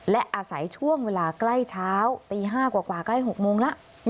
และอาศัยช่วงเวลาใกล้เช้าตี๕กว่าใกล้๖โมงแล้ว